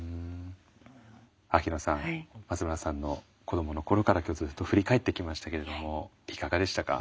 秋野さん松村さんの子どもの頃から今日ずっと振り返ってきましたけれどもいかがでしたか？